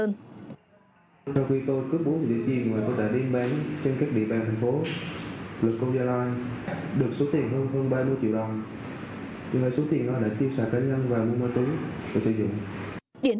trong khi tôi cướp bốn vụ cướp giật tài sản tôi đã đi bán trên các địa bàn thành phố